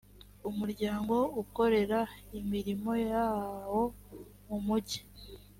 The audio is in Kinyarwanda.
umuryango ukorera imirimo yawo mu mujyi